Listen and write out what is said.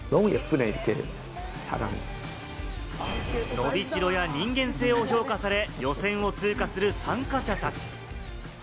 伸びしろや人間性を評価され、予選を通過する参加者たち。